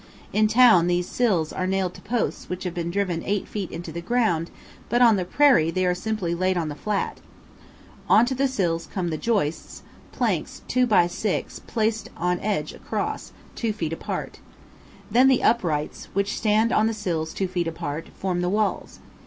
In town these "sills" are nailed to posts which have been driven eight feet into the ground; but on the prairie are simply laid on the flat; on to the sills come the joists, planks 2 x 6 placed on edge across, two feet apart. Then the uprights, which stand on the sills two feet apart, form the walls.